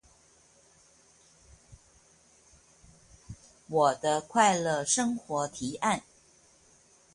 我的快樂生活提案